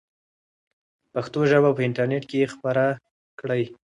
پښتو ژبه په انټرنیټ کې خپره کړئ.